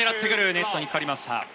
ネットにかかりました。